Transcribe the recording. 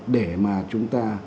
để mà chúng ta